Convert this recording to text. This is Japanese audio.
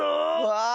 わあ！